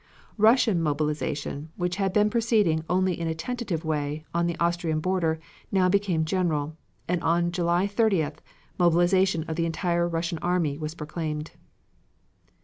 Russian mobilization, which had been proceeding only in a tentative way, on the Austrian border, now became general, and on July 30th, mobilization of the entire Russian army was proclaimed.